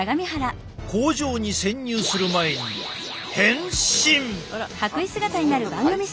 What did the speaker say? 工場に潜入する前に変身！